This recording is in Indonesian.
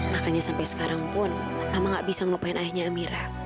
makanya sampai sekarang pun ama gak bisa ngelupain ayahnya amira